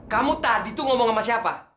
kamu tadi tuh ngomong sama siapa